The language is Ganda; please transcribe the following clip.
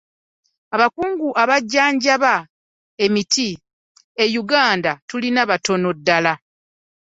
Abakugu abajjanjaba emiti.a Yuganda tulina batono ddala.